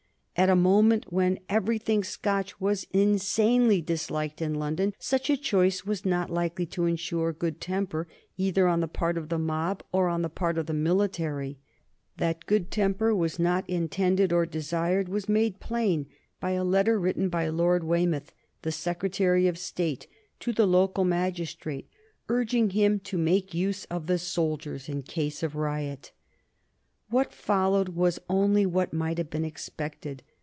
At a moment when everything Scotch was insanely disliked in London such a choice was not likely to insure good temper either on the part of the mob or on the part of the military. That good temper was not intended or desired was made plain by a letter written by Lord Weymouth, the Secretary of State, to the local magistrate, urging him to make use of the soldiers in any case of riot. What followed was only what might have been expected.